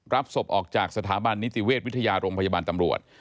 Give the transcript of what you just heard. รับศพออกจากสถาบันนิติเวชวิทยาโรงพยาบาลตำรวจ